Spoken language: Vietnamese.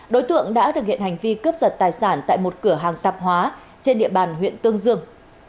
đối tượng đã thực hiện hành vi cướp giật tài sản tại một cửa hàng tạp hóa trên địa bàn huyện tương dương